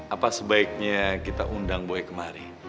apa sebaiknya kita undang boy kemari